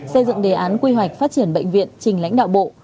xây dựng đề án quy hoạch phát triển bệnh viện trình lãnh đạo bộ